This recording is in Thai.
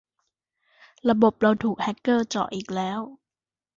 ระบบเราถูกแฮกเกอร์เจาะอีกแล้ว